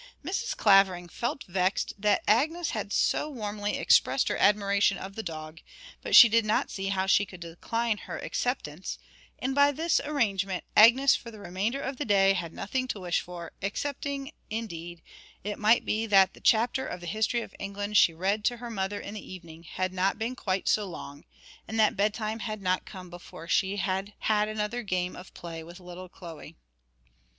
Mrs. Clavering felt vexed that Agnes had so warmly expressed her admiration of the dog, but she did not see how she could decline her acceptance, and by this arrangement Agnes for the remainder of the day had nothing to wish for, excepting, indeed, it might be that the chapter of the History of England she read to her mother in the evening had not been quite so long, and that bedtime had not come before she had had another game of play with little Chloe.